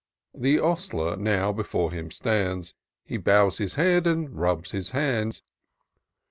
The Ostler now before him stands, Then bows his head, and rubs his hands.